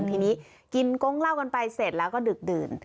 ทีนี้กินก้งเหล้ากันไปเสร็จแล้วก็ดึกดื่น